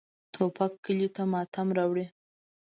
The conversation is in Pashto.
توپک کلیو ته ماتم راوړي.